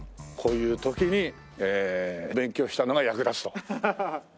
こういう時に勉強したのが役立つと。